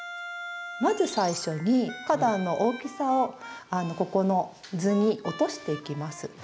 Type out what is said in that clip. まず最初に花壇の大きさをここの図に落としていきます。